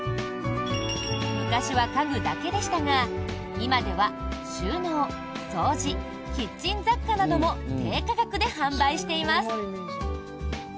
昔は家具だけでしたが今では収納、掃除、キッチン雑貨なども低価格で販売しています。